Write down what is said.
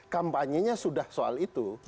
kampanyenya sudah soal itu